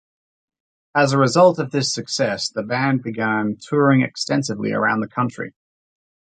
As a result of this success, the band began touring extensively around the country.